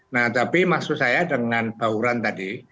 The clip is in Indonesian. nah tapi maksud saya dengan bahuran tadi